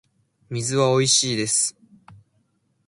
水はおいしいです